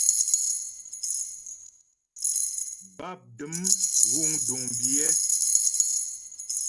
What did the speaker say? Bápdəm wúŋ duŋ biyɛ́.